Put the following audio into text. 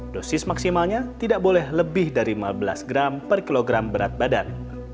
dosis maksimalnya tidak boleh lebih dari lima belas gram per kilogram berat badan